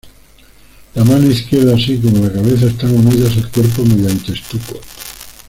La mano izquierda, así como la cabeza, están unidas al cuerpo mediante estuco.